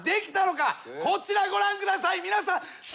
こちらご覧ください。